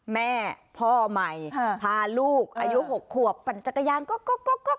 แม่พ่อใหม่พาลูกอายุหกขวบปั่นจักรยานก๊อกก๊อกก๊อกก๊อก